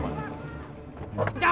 pak harta keluar